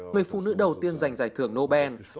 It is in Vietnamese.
người phụ nữ đầu tiên giành giải thưởng nobel